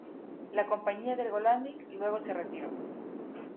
La compañía del Golani luego se retiró.